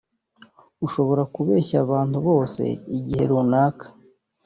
ushobora kubeshya abantu bose igihe runaka